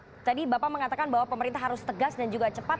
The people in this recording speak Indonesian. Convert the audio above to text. oke tadi bapak mengatakan bahwa pemerintah harus tegas dan juga cepat